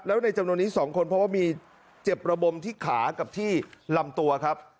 แล้วในจำนวนนี้๒คนเพราะว่ามีเจ็บระบมที่ขากับที่ลำตัวครับ